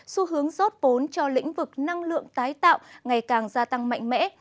xu hướng rốt vốn cho lĩnh vực năng lượng tái tạo ngày càng gia tăng mạnh mẽ